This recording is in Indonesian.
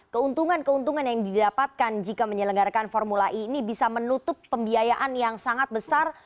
keuntungan keuntungan yang didapatkan jika menyelenggarakan formula e ini bisa menutup pembiayaan yang sangat besar